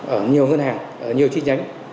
ở nhiều ngân hàng nhiều chi nhánh